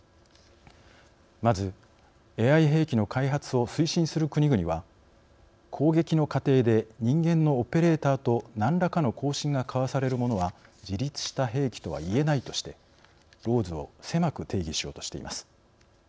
まずＡＩ兵器の開発を推進する国々は攻撃の過程で人間のオペレーターと何らかの交信が交わされるものは自律した兵器とは言えないとしてＬＡＷＳを狭く定義しようとしています。